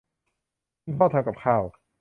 คุณพ่อทำกับข้าว